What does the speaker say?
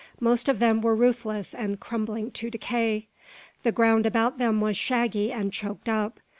Most of them were roofless and crumbling to decay. The ground about them was shaggy and choked up.